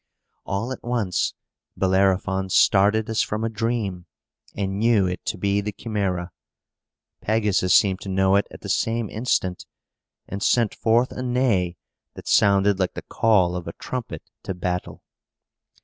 All at once, Bellerophon started as from a dream, and knew it to be the Chimæra. Pegasus seemed to know it, at the same instant, and sent forth a neigh that sounded like the call of a trumpet to battle.